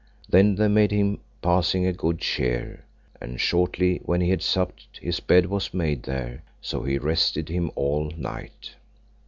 Then they made him passing good cheer, and shortly when he had supped his bed was made there; so he rested him all night.